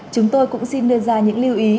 chúng tôi cũng xin đưa ra những lưu ý